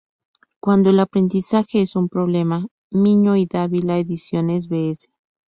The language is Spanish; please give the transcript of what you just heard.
Cuando el aprendizaje es un problema, Miño y Dávila Ediciones, Bs.